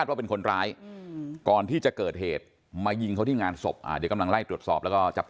เต้นไลโลอะไรพวกนี้ครับ